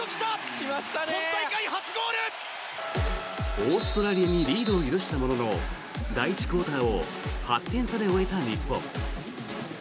オーストラリアにリードを許したものの第１クオーターを８点差で終えた日本。